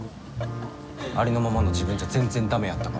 ありのままの自分じゃ全然ダメやったから。